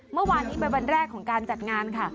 เมื่อวานนี้เป็นวันแรกของการจัดงานค่ะ